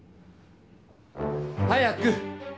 早く！